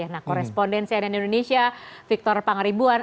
nah korespondensi ann indonesia victor pangaribuan